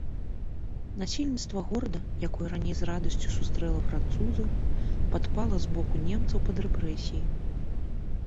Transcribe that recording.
Насельніцтва горада, якое раней з радасцю сустрэла французаў, падпала з боку немцаў пад рэпрэсіі.